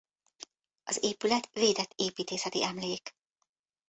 Az épület védett építészeti emlék.